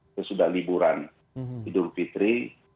itu sudah liburan idul fitri